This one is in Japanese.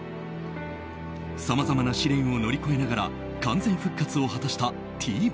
さまざまな試練を乗り越えながら完全復活を果たしたＴ‐ＢＯＬＡＮ。